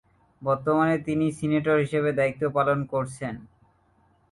বর্তমানে তিনি সিনেটর হিসাবে দায়িত্ব পালন করছেন।